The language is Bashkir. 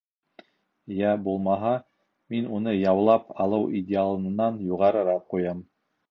Йә, булмаһа, мин уны яулап алыу идеалынан юғарыраҡ ҡуям.